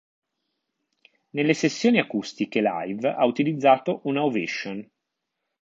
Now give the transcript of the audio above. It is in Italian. Nelle sessioni acustiche live ha utilizzato una Ovation.